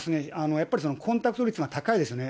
やっぱり、コンタクト率が高いですね。